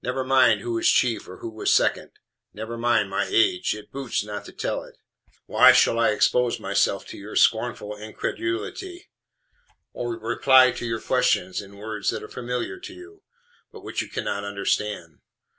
Never mind who was chief, or who was second. Never mind my age. It boots not to tell it: why shall I expose myself to your scornful incredulity or reply to your questions in words that are familiar to you, but which you cannot understand?